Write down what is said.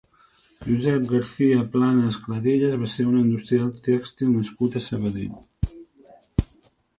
Josep Garcia-Planas Cladellas va ser un industrial tèxtil nascut a Sabadell.